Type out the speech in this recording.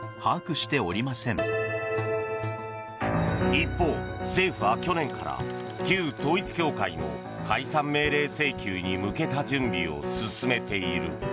一方、政府は去年から旧統一教会の解散命令請求に向けた準備を進めている。